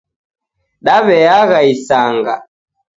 Daw'eagha isanga